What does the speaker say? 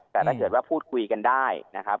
แต่ถ้าเกิดว่าพูดคุยกันได้นะครับ